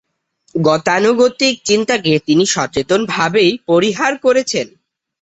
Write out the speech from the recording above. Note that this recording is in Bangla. গতানুগতিক চিন্তাকে তিনি সচেতনভাবেই পরিহার করেছেন।